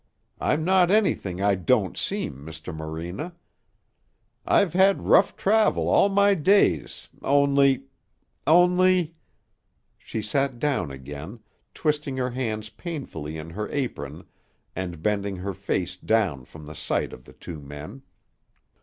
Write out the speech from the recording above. I'm not anything I don't seem, Mr. Morena. I've had rough travel all my days, only only " She sat down again, twisting her hands painfully in her apron and bending her face down from the sight of the two men.